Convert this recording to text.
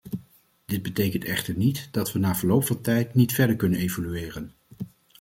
Dit betekent echter niet dat we na verloop van tijd niet verder kunnen evolueren.